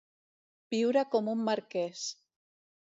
Viure com un marquès.